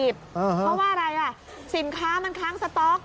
เพราะว่าอะไรสินค้ามันค้างสต๊อก